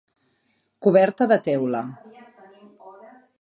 Coberta de teula.